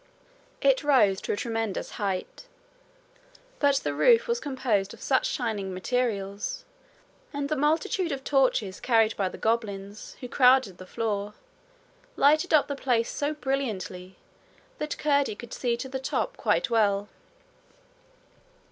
It rose to a tremendous height, but the roof was composed of such shining materials, and the multitude of torches carried by the goblins who crowded the floor lighted up the place so brilliantly, that Curdie could see to the top quite well.